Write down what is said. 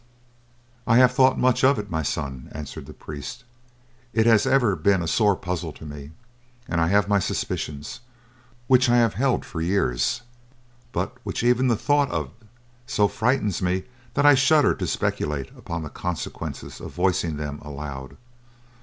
"I have thought much of it, my son," answered the priest. "It has ever been a sore puzzle to me, and I have my suspicions, which I have held for years, but which even the thought of so frightens me that I shudder to speculate upon the consequences of voicing them aloud.